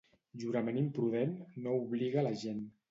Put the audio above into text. Jurament imprudent no obliga la gent.